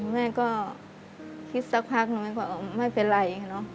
แม่ก็คิดสักพักแม่ก็ว่าไม่เป็นไร